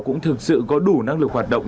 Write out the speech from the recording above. cũng thực sự có đủ năng lực hoạt động